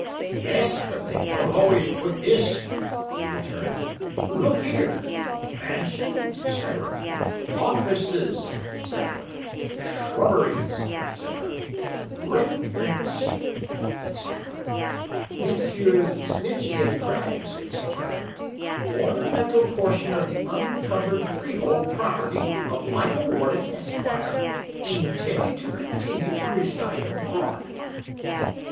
'Yes, but they don't always put this,' he returned. 'Look here, "Mansion," &c.—"offices," &c., "shrubberies," &c., "ring fence," &c. "Messrs. Snitchey and Craggs," &c., "ornamental portion of the unencumbered freehold property of Michael Warden, Esquire, intending to continue to reside abroad"!